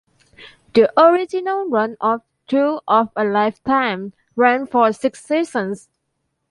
The original run of "Thrill of a Lifetime" ran for six seasons.